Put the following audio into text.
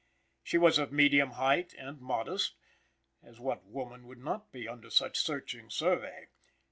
She was of the medium height, and modest as what woman would not be under such searching survey?